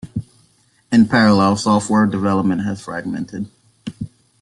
In parallel, software development has fragmented.